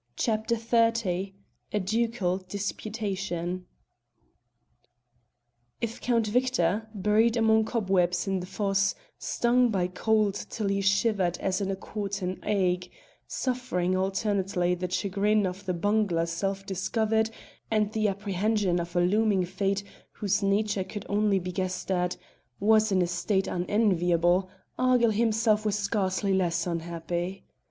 CHAPTER XXX A DUCAL DISPUTATION If Count Victor, buried among cobwebs in the fosse, stung by cold till he shivered as in a quartan ague, suffering alternately the chagrin of the bungler self discovered and the apprehension of a looming fate whose nature could only be guessed at, was in a state unenviable, Argyll himself was scarcely less unhappy.